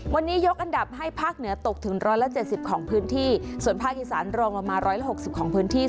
วันนี้ยกอันดับให้ภาคเหนือตกถึงร้อยละเจ็ดสิบของพื้นที่ส่วนภาคอีสานรองลงมาร้อยละหกสิบของพื้นที่